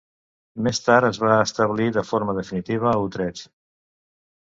Més tard es va establir de forma definitiva a Utrecht.